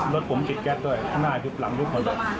รถผมกิดแก๊สด้วยหน้าดูปลังทุกคน